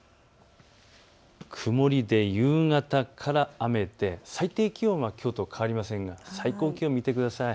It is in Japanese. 曇りで夕方から雨で最低気温はきょうと変わりませんが最高気温を見てください。